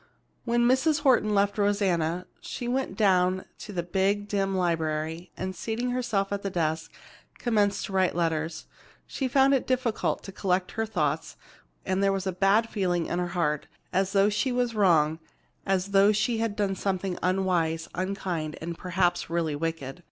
When Mrs. Horton left Rosanna, she went down to the big, dim library and, seating herself at her desk, commenced to write letters. She found it difficult to collect her thoughts and there was a bad feeling in her heart, as though she was wrong, as though she was doing something unwise, unkind, and perhaps really wicked.